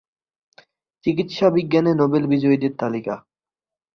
চিকিৎসাবিজ্ঞানে Nobel বিজয়ীদের তালিকা